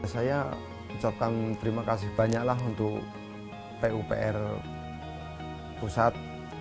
saya ucapkan terima kasih banyaklah untuk pupr pusat